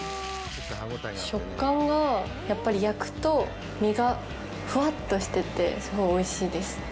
食感が、焼くと身がふわっとしててすごいおいしいです。